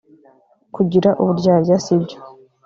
kugira uburyarya sibyo